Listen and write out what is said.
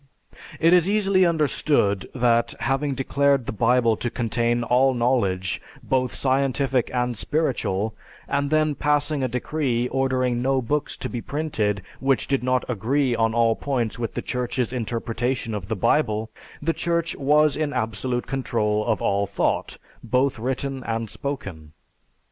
It is easily understood that having declared the Bible to contain all knowledge both scientific and spiritual, and then passing a decree ordering no books to be printed which did not agree on all points with the Church's interpretation of the Bible, the Church was in absolute control of all thought, both written and spoken.